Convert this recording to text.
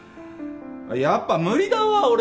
やっぱ無理だわ俺。